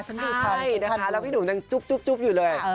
ดูพอดีนะคะแล้วพี่หนุ่มยังจุ๊บอยู่เลย